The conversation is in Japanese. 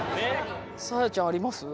サーヤちゃんあります？